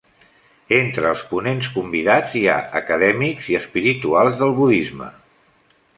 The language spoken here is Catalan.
Entre els ponents convidats hi ha acadèmics i espirituals del budisme.